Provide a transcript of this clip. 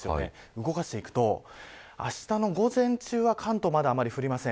動かしていくと、あしたの午前中は関東まだ雨降りません。